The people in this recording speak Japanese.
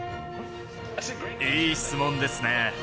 いい質問ですね。